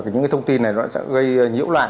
những thông tin này đã gây nhiễu loạn